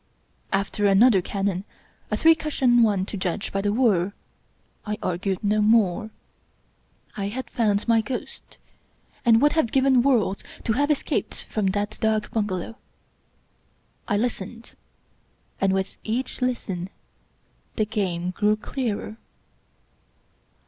After another cannon, a three cushion one to judge by the whir, I argued no more. I had found my ghost and would have given worlds to have escaped from that dak bungalow. I listened, and with each listen the game grew clearer.